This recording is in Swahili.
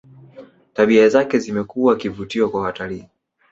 tabia zake zimekuwa kivutio kwa watalii